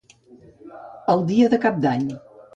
El dia de Cap d'any.